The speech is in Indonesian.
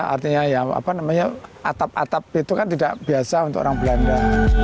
artinya atap atap itu kan tidak biasa untuk orang belanda